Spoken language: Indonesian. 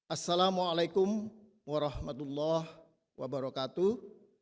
assalamu alaikum warahmatullah wabarakatuh